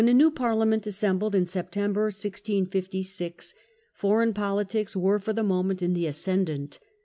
When anew parliament assembled in September, 1656, foreign politics were for the moment in the ascendant.